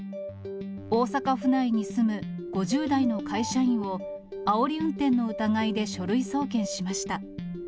大阪府内に住む５０代の会社員を、あおり運転の疑いで書類送検しました。